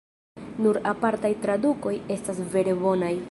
Nur apartaj tradukoj estas vere bonaj.